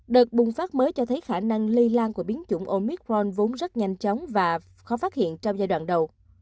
đợt bùng phát mới cho thấy khả năng lây lan của biến chủng omic ron vốn rất nhanh chóng và khó phát hiện trong giai đoạn đầu